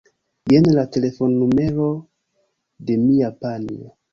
Jen la telefonnumero de mia panjo.